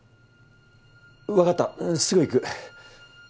わかったすぐ行く。